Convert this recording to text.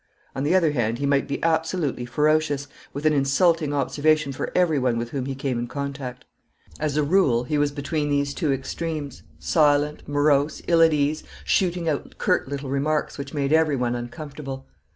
On the other hand he might be absolutely ferocious, with an insulting observation for everyone with whom he came in contact. As a rule he was between these two extremes, silent, morose, ill at ease, shooting out curt little remarks which made everyone uncomfortable.